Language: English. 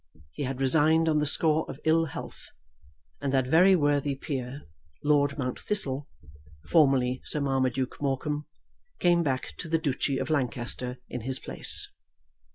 He had resigned on the score of ill health, and that very worthy peer, Lord Mount Thistle, formerly Sir Marmaduke Morecombe, came back to the Duchy of Lancaster in his place.